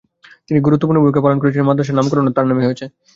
তিনি গুরুত্বপূর্ণ ভূমিকা পালন করেছিলেন, মাদ্রাসার নামকরণও তার নামে হয়েছে।